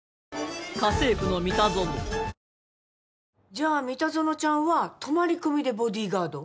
じゃあ三田園ちゃんは泊まり込みでボディーガード？